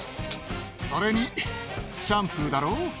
それにシャンプーだろ。